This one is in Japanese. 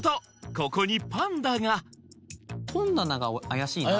ここにパンダが本棚が怪しいなと。